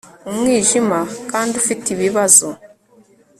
umwijima - kandi ufite ibibazo